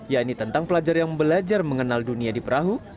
yaitu tentang pelajar yang belajar mengenal dunia di perahu